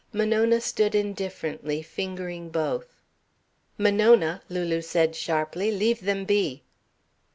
Monona stood indifferently fingering both. "Monona," Lulu said sharply, "leave them be!"